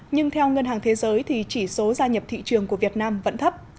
nhưng theo ngân hàng thế giới thì chỉ số gia nhập thị trường của việt nam vẫn thấp